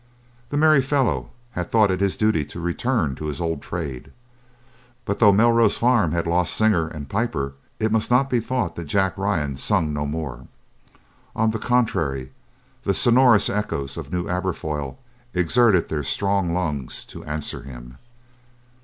The merry fellow had thought it his duty to return to his old trade. But though Melrose farm had lost singer and piper it must not be thought that Jack Ryan sung no more. On the contrary, the sonorous echoes of New Aberfoyle exerted their strong lungs to answer him.